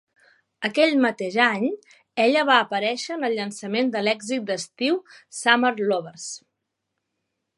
Aquell mateix any, ella va aparèixer en el llançament de l'èxit d'estiu "Summer Lovers".